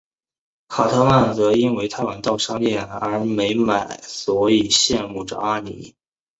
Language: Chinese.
卡特曼则因为太晚到商店而没买所以羡慕着阿尼。